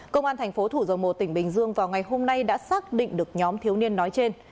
công an thành phố thủ dầu một tỉnh bình dương vào ngày hôm nay đã xác định được nhóm thiếu niên nói trên